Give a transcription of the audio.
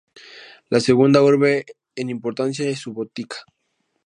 La segunda urbe en importancia es Subotica.